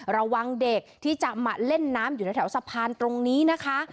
ระวังเด็กที่จะมาเล่นน้ำอยู่ในแถวสะพานตรงนี้นะคะ